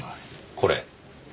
これ。